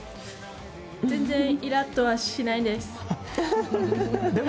全然イラッとしないです。